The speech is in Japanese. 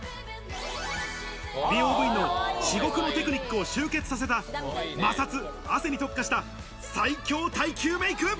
美容部員の至極のテクニックを集結させた、摩擦、汗に特化した最強耐久メイク。